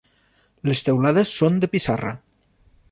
Les teulades són de pissarra.